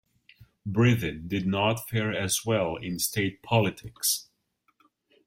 Breathitt did not fare as well in state politics.